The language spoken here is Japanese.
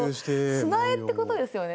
砂絵ってことですよね？